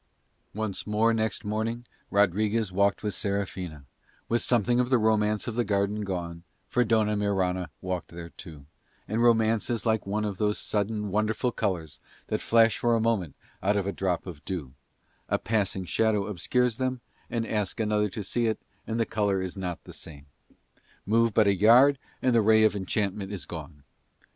Once more next morning Rodriguez walked with Serafina, with something of the romance of the garden gone, for Dona Mirana walked there too; and romance is like one of those sudden, wonderful colours that flash for a moment out of a drop of dew; a passing shadow obscures them; and ask another to see it, and the colour is not the same: move but a yard and the ray of enchantment is gone.